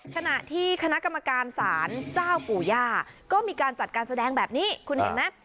ขณะที่คณะกรรมการศาลเจ้าปู่ย่าก็มีการจัดการแสดงแบบนี้คุณเห็นไหม